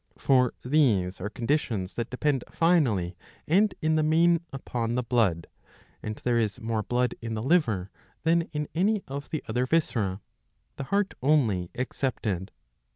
For these are conditions that depend finally and in the main upon the blood, and there is more blood in the liver than in any of the other viscera, the heart only excepted.'